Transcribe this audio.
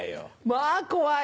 まぁ怖い。